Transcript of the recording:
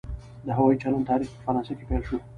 د هوایي چلند تاریخ په فرانسه کې پیل شو.